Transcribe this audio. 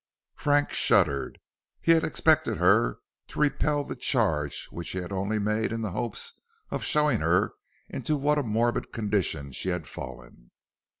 Frank shuddered; he had expected her to repel the charge which he had only made in the hopes of showing her into what a morbid condition she had fallen.